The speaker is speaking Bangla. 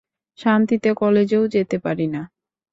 শান্তিতে কলেজেও যেতে পারি না।